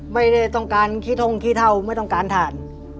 ไม่ได้ต้องการขี้ทงขี้เท่าไม่ต้องการถ่าน